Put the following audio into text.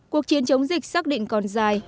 cuộc chiến chống dịch xác định còn dài